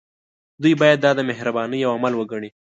دوی باید دا د مهربانۍ يو عمل وګڼي.